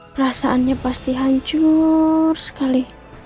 perasaannya pasti hancur sekali